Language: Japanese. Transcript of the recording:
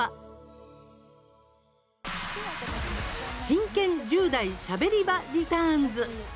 「真剣１０代しゃべり場リターンズ！！」。